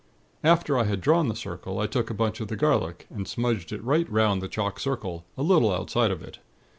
"After I had drawn the circle, I took a bunch of the garlic, and smudged it right 'round the chalk circle, a little outside of it.